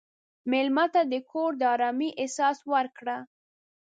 مېلمه ته د کور د ارامۍ احساس ورکړه.